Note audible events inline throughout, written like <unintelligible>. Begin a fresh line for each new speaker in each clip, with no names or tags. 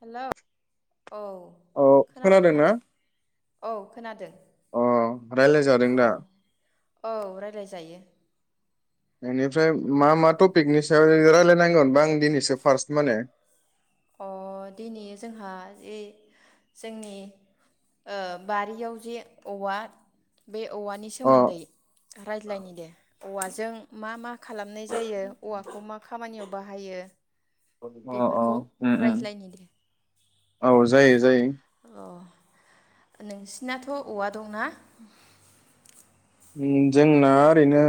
Hello औ
औ
खोनाबाय ना
खोनादोंना
औ खोनादों
अ रायलायजादों
औ
दा
औ रायज्लाय जायो
बेनिफ्राय मा मा टपिकनि सायाव रायलायनांगोन बा आं दिनैसो फार्स्ट माने
अ दिनै जोंहा ए जोंनि ओ बारियाव जे औवा बे औवानि
अ
सोमोन्दै रायज्लायनो दे औवाजों मा मा? खालामनाय जायो औवाखौ मा खामानियाव बाहायो।
अ अ
बेफोरखौ
उम
रायज्लायनि दे।
औ जायो जायो।
नोंसिनाथ औवा दंना?
उम जोंना ओरैनो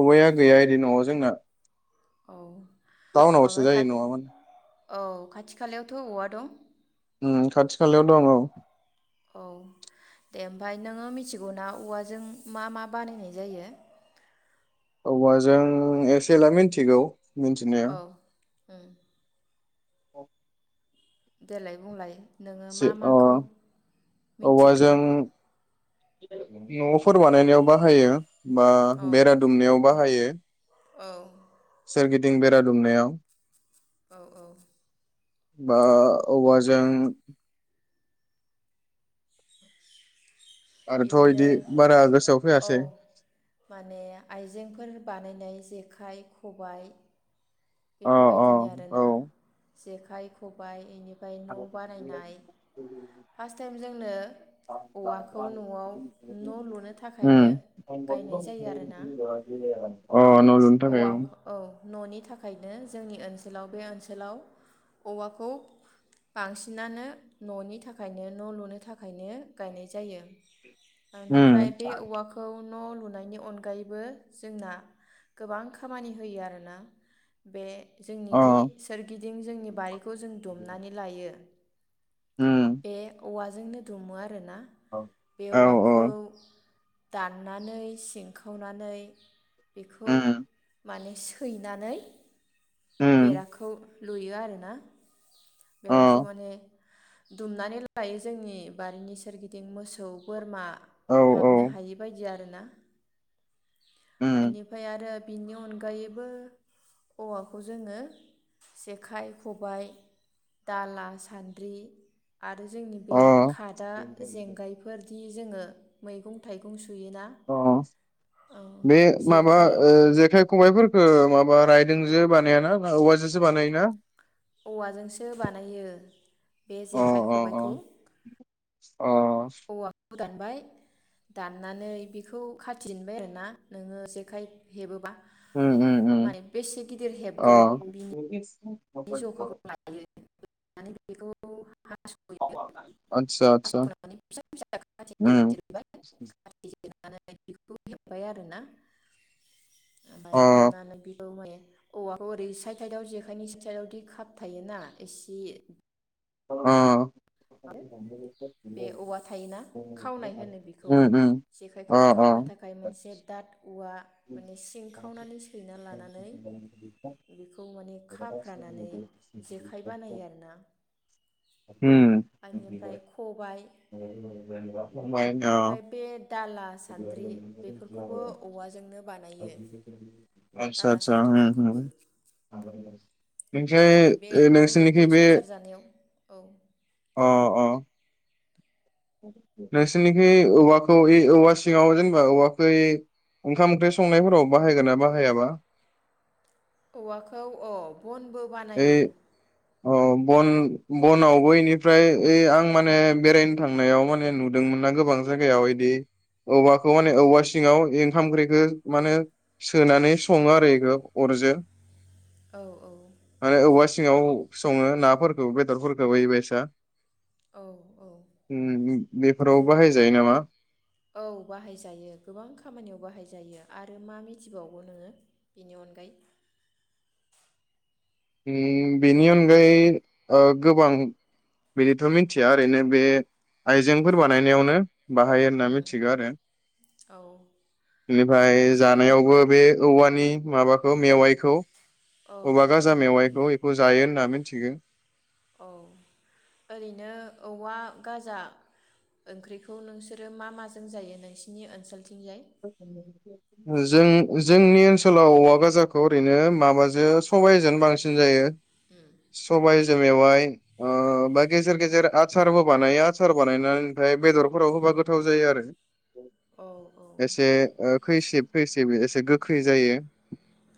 औवाया गैया इदि न'आव जोंना।
औ।
थाउनआवसो
ओमफ्राय खा
जायो न'आ मानो?
औ खाथि खालायावथ'औवा दं।
ओम खाथि खालायाव दङ।
औ दे ओमफाय नोंङो मिथिगौ ना औवाजों मा मा बानायनाय जायो?
औवाजों जों एसे ऐला मिथिगौ।
औ उम देलाय बुंलाय। नोङो
सु
मा
ओ
माखौ मिथिगौ
औवाजों न'फोर बानायनायाव बाहायो। बा
औ
बेरा दुमनायावबा बाहायो
औ।
सोरगिदिं बेरा दुमनायाव
औ औ।
बा औवाजों आरोथ'
बिदिनो
इदि बारा गोसोआव
औ
फैयासै अ
माने आइजेंफोर बानायनाय जेखाइ खबाय।
अ
बेफोरबायदिनि
औ
आरोना जेखाइ खबायाइ एनि
<inaudible>
फार्स्ट टाइम जोंनो औवाखौ न'आव न' लुनो थाखायनो
उम अ
गायनाय जायो आरोना ओ
न' लुनो थाखाय
औवा औ न'नि थाखायनो जोंनि ओनस ओनसोलाव बे ओनसोलाव औवाखौ बांसिनानो न'नि थाखाय थाखायनो न' लुनो थाखायनो गायनाय जायो। ओ बेनिफ्राय
उम
बे
अ
औवाखौ न' लुनायनि अनगायैबो जोंना गोबां खामानि होयो आरोना बे जोंनिदि सोरगिदिं जोंनि बारिखौ जों दुमनानै लायो
उम
बेे औवा जोंनो दुमो आरोना बे
औ
औवाखौ
औ
दाननानै सिंखावनानै बेखौ
उम
माने सैनानै
उम
बेराखौ लुयो आर ना
अ
बेराखौ माने दुमनानै लायो जोंनि बारिनि सोरगिदिं मोसौ, बोरमा
औ औ
हाबनो हायि बायदि आरो ना
उम
बेनिफ्राय आरो बिनि अनगायैबो औवाखौ जोङो जेखाइ खबाय दाला सान्द्रि आरो जोंनि
अ
बे खादा जेंगायफोर बि जोङो मैगं थाइगं सुयोना
अ
औ
बे माबा
जेखाइ
ओ जेखाय खबाय फरखो माबा रायदोंजो बानायाना औवाजोसो बानायोना
औवाजोंसो बानायो बे
अ
जेखाइ
अ
खबबायखौ
अ अ
औवाखौ दानबाय दाननानै बेखौ खाथिनबाय आरो ना नोङो जेखाइ हेबोबा।
उम उम
माने बेसे गिदिर
अ
हेबगोन बिनि जखाखौ लायो <inaudible> बेखौ हास'यो
आदसा आदसा
हास'नानै फिसा फिसा
उम
<inaudible> खौ होबबाय आरो ना ओमफाय
अ
हेबनानै बियो मय औवाखौ ओरै साइद साइदआव जेखायनि <unintelligible> कापथायोना इसि
अ
आरो बे औवा थायोना खावनाय होनो बेखौ
उम
जेखाइखौ खावनो थाखाय मोनसे दाद औवा माने सिंखावनानै सैना लानानै बेखौ माने खाफ्रानानै जेखाइ बानायो आरोना। बेनिफ्राय
बिबाय
खबाइ
<unintelligible> <unintelligible>
ओमफ्राय बे दाला सान्द्रि बेफोरखौबो औवाजोंनो बानायो
<unintelligible> आदसा
दाला
आदसा
सान्द्रिफोरखौबो जोंनि बे नांगौ बे संसार जानायाव औ
अ
दे बुं।
नोंसोरनिखि औवाखौ औवा सिङाव जेनेबा औवाखौ ओंखाम ओंख्रि संनायफोराव बाहायगोनना बाहायाबा
औवाखौ औ बनबो बानायो।
अ बन बनावबो यिनिफ्राय ओइ आं माने बेरायनो थांनायाव माने नुदोंमोनना गोबां जायगायाव इदि औवाखौ माने औवा सिङाव ओंखाम ओंख्रिखौ माने सोनानै सङो आरो बेखौ अरजों
औ औ‌।
माने औवा सिङाव सङो नाफोरखौ बेदरफोरखौ बे बायसा
औ औ
बेफोराव
औ
बाहायजायो नामा
औ बाहायजायो गोबां खामानियाव बाहायजायो आरो मा मिथिबावगो नोङो बेनि अनगायै?
ओम बेनि अनगायै गोबां बेनिथ‌ मिनथिया ओरैनो बे आइजेंफोर बानायनायावनो बाहायो होनना मिथिगौ आरो
औ
बिनिफ्राय
ओमफ्राय जों
जानायावबो बे औवानि माबाखौ
औ
मेवाइखौ
औ
अबा
औवानि
मेवाइखौ यिखौ जायो। होनना मिनथिगो।
औ ओरैनो औवा गाजा ओंख्रिखौ नोंसोरो मा माजों जायो नोंसोरनि ओनसोल
<unintelligible> जों जोंनि ओनसोलाव औवा गाजाखौ ओरैनो माबाजों सबाइजोंनो बांसिन जायो। सबाय जो मेवाय अ बा गेजेर गेजेर आसारबो बानायो आसार बानायनानै ओमफ्राय बेदरफोराव होबा गोथाव जायो आरो
औ औ।
एसे खैसिब खैसिब एसे गोखै जायो।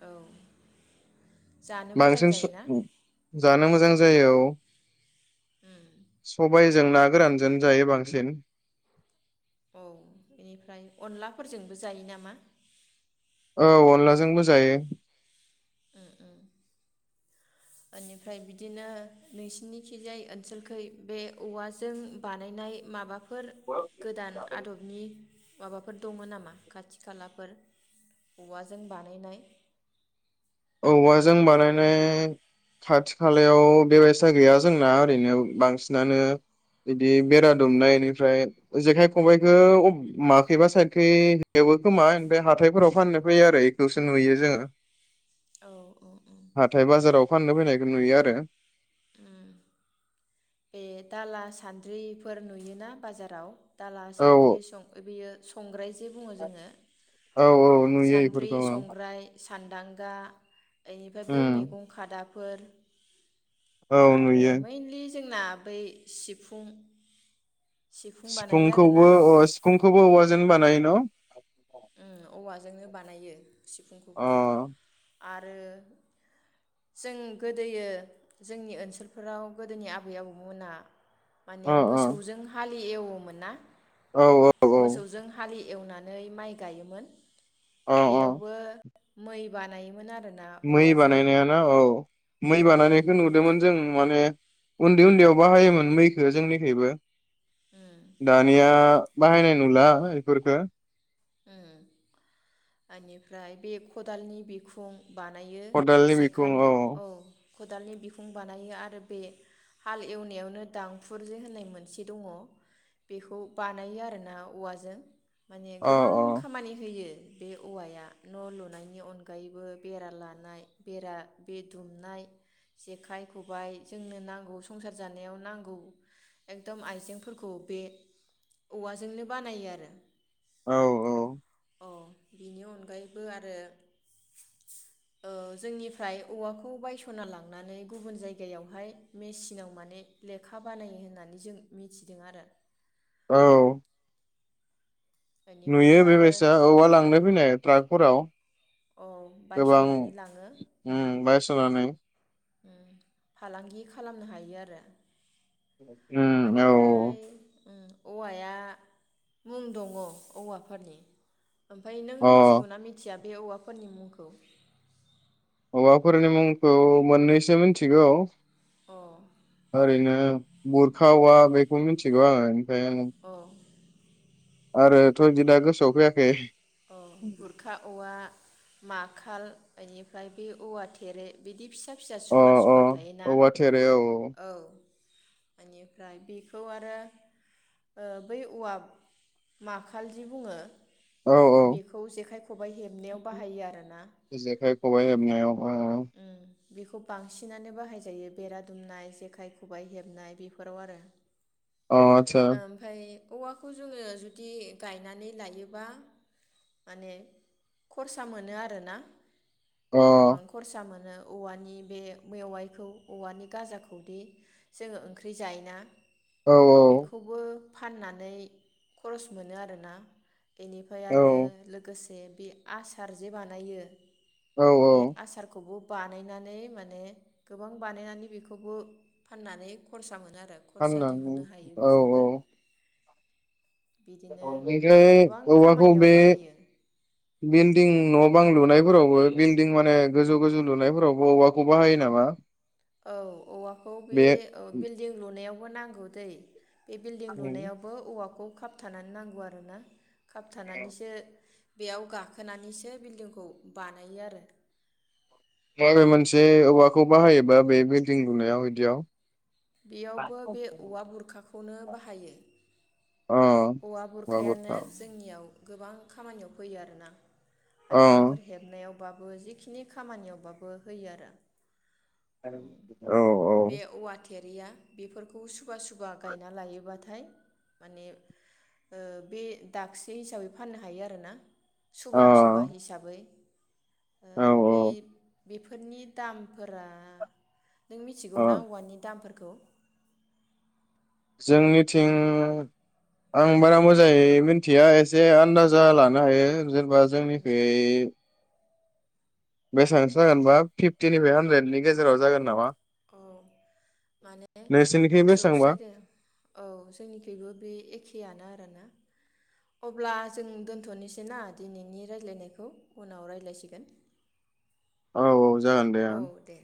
औ जानो मोजां
बांसिन स
जायोना?
जानो मोजां जायो औ सबाय जों ना गोरानजोंनो जायो बांसिन
औ बेनिफ्राय अनलाफोरजोंबो जायो नामा?
औ अनलाजोंबो जायो।
उम उम ओनिफ्राय बिदिनो नोंसिनिखिजाय ओनसोलखै बे औवाजों बानायनाय माबा फोर गोदान आदबनि। माबाफोर दङ नामा खाथि खालाफोर औवाजों बानायनाय?
औवाजों बानायनाय खाथि खालायाव बेबायसा गैया जोंना ओरैनो बांसिनानो इदि बेरा दुमनाय ओनिफ्राय जेखाइ खबाइखौ माखैबा साइडखै हेबो खोमा ओमफ्राय हाथायफोराव फाननो फैयो आरो एखौसो नुयो जोङो।
औ - औ - ओम
हाथाय बाजाराव फाननो फैनायखौ नुयो आरो
बे दाला सान्द्रिफोर नुयोना बाजाराव दाला
औ
सान्द्रि सं <unintelligible> संग्राय बुङो जोङो
औ औ
ओह
नुयो
सानद्रि
इफोरखौ औ
संग्राय सान्दां गा। इनिफ्राय बै
उम
मैगं खादाफोर।
औ
आरो
नुयो
मैइनलि जोंना बै सिफुं सिफुं बानायो आरोना
सिफुंखौबो अ सिफुंखौबो औवाजोंनो बानायो न?
ओ औवाजोंनो बानायो।
अ
सिफुंखौबो आरो जों गोदोयो जोंनि ओनसोलफोराव गोदोनि आबै आबौमोनहा
अ
माने मोसौजों हाल एवोमोन ना?
औ औ
मोसौजों हालि एवनानै माइ। गायोमोन।
अ
बेयावबो मै बानायोमोन आ
मै बानायनाया ना औ मै
औ
बानायनायखौ
मै
नुदोंमोन
बानाय
जों माने उन्दै उन्दैयाव बाहायोमोन मैखो जोंनिखैबो दानिया बाहायनाय नुला एफोरफोरखो।
ओम ओनिफ्राय बे खदालनि बिखुं बानायो
खदालनि बिखुं
सेखानि औ। खदालनि बिखुं बानायो आरो बे हाल एवनायावनो दांफुर जे होननाय मोनसे दङ बेखौ बानायो आरो ना औवाजों माने
औ
गोबां
औ
खामानि होयो। बे औवाया न लुनायनि अनगायैबो बेरा लानाय बेरा बे दुमनाय जेखाइ खबाइ जोंनो नांगौ संसार जानायाव नांगौ एकदम आइजेंफोरखौ बे औवाजोंनो बानायो आरो
औ औ
औ बिनि अनगायैबो आरो ओ जोंनिफ्राय औवाखौ बायसना लांनानै गुबुन जायगायावहाय मेसिनाव माने लेखा बानायो होननानै जों मिथिदों आरो
औ
बेनिफ्राय
नुयो
दा आरो
बेबायसा औवा लांनो फैनाय ट्राक हराव
औ
गोबां
बायस'नानै लाङो उम
ओम बायसनानै
फालांगि खालामनो हायो आरो
उम औ
ओनिफ्राय ओ औवाया मुं दङ औवाफोरनि ओमफाय नों
औ
मिथिगौ
अ
ना मिथिया? बे औवाफोरनि मुंखौ
हौवाफोरनि मुंखौ मोननैसो मिथिगौ
अ
ओरैनो बुरखा औवा बेखौ मिथिगौ आङो। बें
अ
आरोथ बिदि दा गोसोआव फैयाखै।
औ गुरखा औवा माखाल इनिफ्राय बे औवा थेरे बिदि फिसा फिसा
अ
सुबा सुबा थायोना
औवा थेरे औ
औ बेनिफ्राय बेखौ आरो ओ बै औवाब माखाल जि बुङो।
औ औ
बेखौ जेखाइ खबाइ हेबनायाव बाहायो आरोना
औ
उम बेखौ बांसिनानो बाहायजायो बेरा दुमनाय जेखाइ खबाइ हेबनाय बेफोराव आरो
अ आतसा
ओमफ्राय औवाखौ जोङो जुदि गायनानै लायोबा माने खरसा मोनो आरोना।
अ
गोबां खरसा मोनो औवानि बे मेवाइखौ औवानि गाजाखौ दि जोङो ओंख्रि जायोना?
औ
बेखौबो फाननानै खरस मोनो आरोना बेनिफ्राय
औ
आरो लोगोसे बे आसार जे बानायो
औ औ
खौबो बानायनानै माने गोबां बानायनानै बेखौबो फाननानै खरसा मोनो आरो खरसा
<unintelligible>
दिहुननो हायो बेजोंबो
औ औ।
बिदिनो गोबां
<unintelligible> औवाखौ
खामानियाव
बे
बाहायो
बिल्डिं न'बां लुनाय फोरावबो बिल्डिं माने गोजौ गोजौ लुनायफोरावबो औवाखौ बाहायो नामा?
औ औवाखौ बे ओ बिल्डिं लुनायाव बो नांगौ दै बे बिल्डिं लुनायावबो औवाखौ खाब थानानै नांगौ आरो ना? खाबथानानैसो बेयाव गाखोनानैसो बिल्डंखौ बानायो आरो
माबे मोनसे औवाखौ बाहायोबा बे बिल्डिं लुनायाव बिदियाव
बेयावबो बे औवा बुरखाखौनो बाहायो।
अ
औवा बुरखायानो जोंनियाव गोबां खामानियाव फैयो आरोना?
अ
आइजेंफोर हेबनायाव <unintelligible> जिखिनि खामानियावबाबो होयो आरो
औ औ
फेरिया बेफोरखौ सुबबा सुबबा गायना लायोबाथाय माने ओ बे दाखसे हिसाबै फाननो हायो आरोना सुबा सुबा हिसाबै। ओ
अ औ
बे। बेफोरनि दामफोरा नों मिथिगौ
अ
ना औवानि दामफोरखौ? खौ।
जोंनिथिं आं बारा मोजाङै मिथिया एसे आन्दाजा लानो हायो जेन बा जोंनिखै बेसेबांसो जागोनबा फिपतिनिफ्राय हानद्रेदनि गेजेराव जागोन नामा?
औ माने
नोंसोरनिखै
जौसे
बेसेबांबा
आरो औ जोंनिखबो बे एखेयानो आरो। आरोना अब्ला जों दोन्थनोसै ना दिनैनि रायज्लायनायखौ उनाव रायलायसिगोन।
औ औ जागोन दे ओं
दे